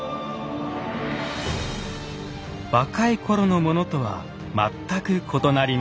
若いころのものとは全く異なります。